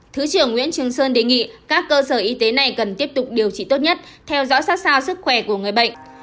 thứ trưởng nguyễn trường sơn đề nghị các cơ sở y tế này cần tiếp tục điều trị tốt nhất theo dõi sát sao sức khỏe của người bệnh